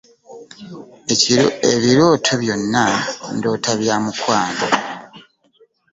Ebirooto byonna ndoota bya mukwano.